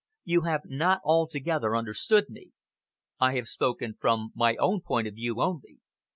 "You have not altogether understood me! I have spoken from my own point of view only.